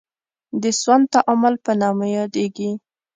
د سون تعامل په نامه یادیږي.